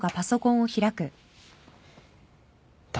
誰？